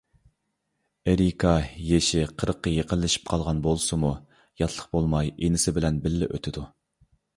ئېرىكا يېشى قىرىققا يېقىنلىشىپ قالغان بولسىمۇ، ياتلىق بولماي ئانىسى بىلەن بىللە ئۆتىدۇ.